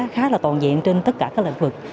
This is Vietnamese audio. khá là toàn diện trên tất cả các lĩnh vực